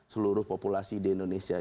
seluruh populasi di indonesia